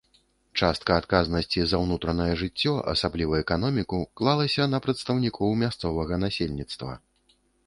Частка адказнасці за ўнутранае жыццё, асабліва эканоміку, клалася на прадстаўнікоў мясцовага насельніцтва.